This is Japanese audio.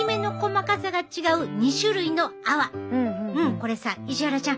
これさ石原ちゃん